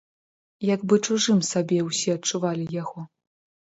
Як бы чужым сабе ўсе адчувалі яго.